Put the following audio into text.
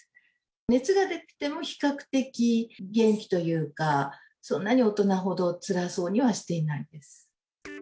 熱が出ても比較的元気というか、そんなに大人ほどつらそうにはしていないです。